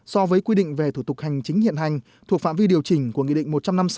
so với quy định về thủ tục hành chính hiện hành thuộc phạm vi điều chỉnh của nghị định một trăm năm mươi sáu